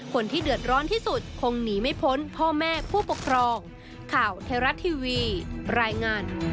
คนที่เดือดร้อนที่สุดคงหนีไม่พ้นพ่อแม่ผู้ปกครอง